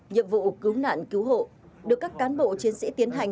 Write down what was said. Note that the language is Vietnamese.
nhiệm vụ cứu nạn cứu hộ được các cán bộ chiến sĩ tiến hành